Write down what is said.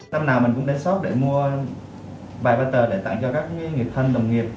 năm nào mình cũng đến sóc để mua bài bài tờ để tặng cho các người thân đồng nghiệp